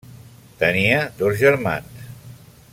Tenia dos germans.